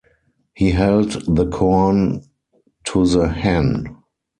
He held the corn to the hen.